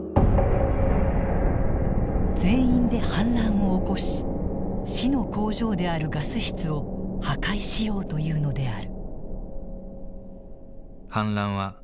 全員で反乱を起こし死の工場であるガス室を破壊しようというのである。